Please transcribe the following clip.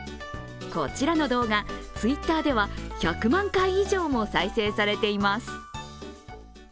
こちらの動画、Ｔｗｉｔｔｅｒでは１００万回以上も再生されています。